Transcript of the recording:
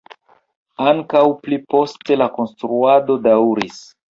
Ankaŭ pli poste la konstruado daŭris.